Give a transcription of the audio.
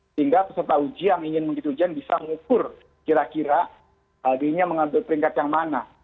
sehingga peserta uji yang ingin mengikuti ujian bisa mengukur kira kira harinya mengambil peringkat yang mana